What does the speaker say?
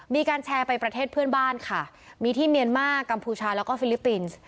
มีการแชร์ไปประเทศเพื่อนบ้านค่ะมีที่เมียนมากกัมพูชาแล้วก็ฟิลิปปินส์